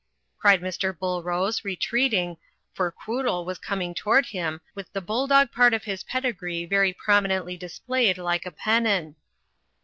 cried Mr. Bullrose, re treating, for Quoodle was coming toward him with the bulldog part of his pedigree very prominently displayed, like a pennon.